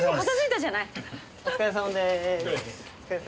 お疲れさまです。